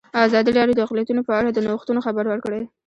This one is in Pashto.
ازادي راډیو د اقلیتونه په اړه د نوښتونو خبر ورکړی.